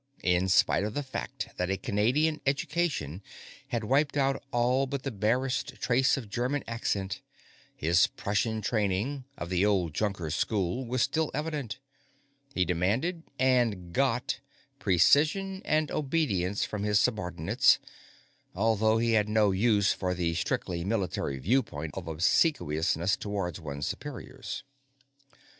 In spite of the fact that a Canadian education had wiped out all but the barest trace of German accent, his Prussian training, of the old Junkers school, was still evident. He demanded and got precision and obedience from his subordinates, although he had no use for the strictly military viewpoint of obsequiousness towards one's superiors.